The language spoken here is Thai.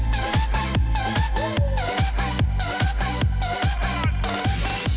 แรง